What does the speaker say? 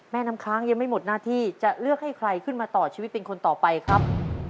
น้ำค้างยังไม่หมดหน้าที่จะเลือกให้ใครขึ้นมาต่อชีวิตเป็นคนต่อไปครับ